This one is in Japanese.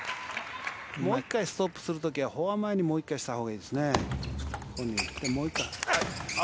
もう１回ストップする時はもう１回したほうがいいですね。